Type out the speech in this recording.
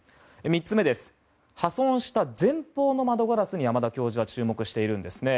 ３つ目ですが破損した前方の窓ガラスに山田教授は注目しています。